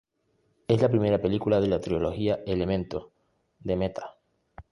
Es la primera película de la trilogía "Elementos" de Mehta.